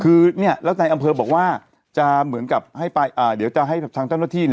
คือเนี่ยแล้วในอำเภอบอกว่าจะเหมือนกับให้ไปอ่าเดี๋ยวจะให้แบบทางเจ้าหน้าที่เนี่ย